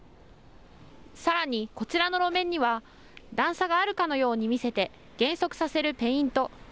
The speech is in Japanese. さらに、こちらの路面には段差があるかのように見せて減速させるペイント。